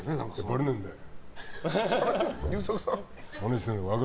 バレないんだよ。